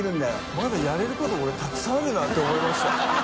まだやれること俺たくさんあるなって思いました。